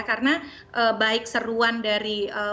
karena baik seruan dari